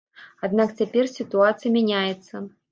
Аднак цяпер сітуацыя мяняецца.